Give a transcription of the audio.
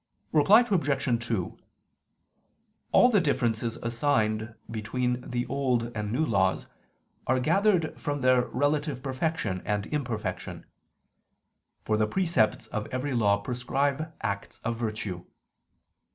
Reply Obj. 2: All the differences assigned between the Old and New Laws are gathered from their relative perfection and imperfection. For the precepts of every law prescribe acts of virtue.